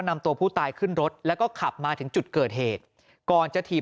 นำตัวผู้ตายขึ้นรถแล้วก็ขับมาถึงจุดเกิดเหตุก่อนจะถีบ